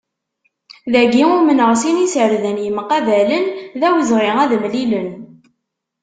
Dagi umnen sin yiserdan yemqabalen d awezɣi ad mlilen.